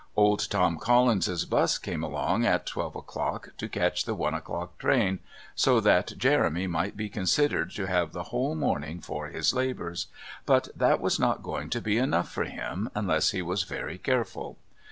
Old Tom Collins's bus came along at twelve o'clock to catch the one o'clock train, so that Jeremy might be considered to have the whole morning for his labours, but that was not going to be enough for him unless he was very careful.